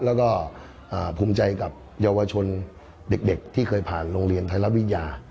แล้วก็ภูมิใจกับเยาวชนเด็กที่เคยผ่านโรงเรียนไทยรัฐวิทยา